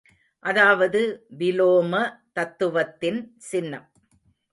அதாவது, விலோம தத்துவத்தின் சின்னம்.